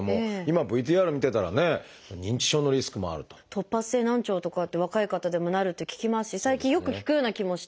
突発性難聴とかって若い方でもなるって聞きますし最近よく聞くような気もして。